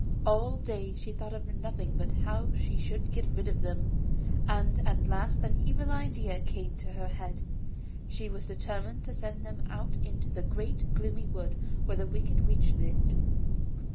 All day she thought of nothing but how she should get rid of them; and at last an evil idea came into her head, and she determined to send them out into the great gloomy wood where a wicked witch lived.